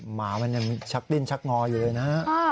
หมามันชักดิ้นชักงอเยอะเลยนะ